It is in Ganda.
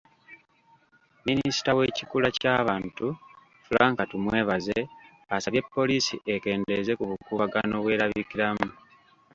Minisita w'ekikula ky'abantu, Frank Tumwebaze, asabye poliisi ekendeeze ku bukuubagano bw'erabikiramu